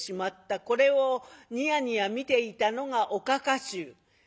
これをニヤニヤ見ていたのがおかか衆。